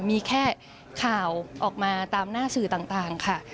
มีแค่ข่าวออกมาตามหน้าสื่อต่างค่ะ